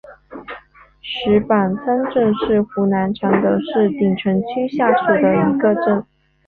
石板滩镇是湖南常德市鼎城区下属的一个镇。